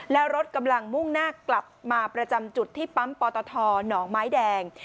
และรถกำลังมุ่งหน้ากลับมาประจำจุดที่ปั๊มปตทหนองไม้แดง